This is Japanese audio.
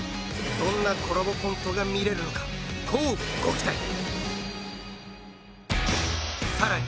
どんなコラボコントが見れるのか乞うご期待さらに